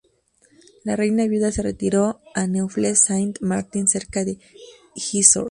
La reina viuda se retiró a Neaufles-Saint-Martin cerca de Gisors.